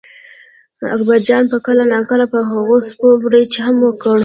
اکبرجان به کله ناکله په هغو سپو بړچ هم وکړ.